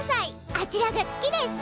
あちらが月です。